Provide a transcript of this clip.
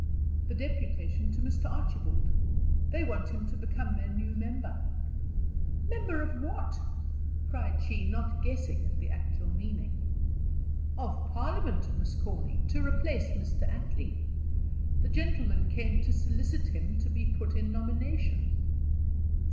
"The deputation to Mr. Archibald. They want him to become their new member." "Member of what?" cried she, not guessing at the actual meaning. "Of parliament, Miss Corny; to replace Mr. Attley. The gentlemen came to solicit him to be put in nomination."